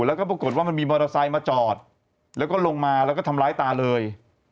แล้วก็ปรากฏว่ามันมีมอเตอร์ไซค์มาจอดแล้วก็ลงมาแล้วก็ทำร้ายตาเลย